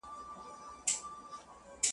مړ يې کړم اوبه له ياده وباسم ـ